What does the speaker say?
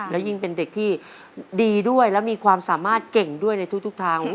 แล้วยิ่งเป็นเด็กที่ดีด้วยและมีความสามารถเก่งด้วยในทุกทาง